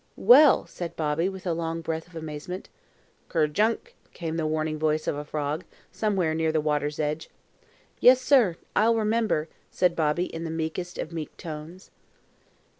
"Well!" said Bobby with a long breath of amazement. "Kerjunk!" came the warning voice of a frog, somewhere near the water's edge. "Yes sir, I'll remember," said Bobby in the meekest of meek tones.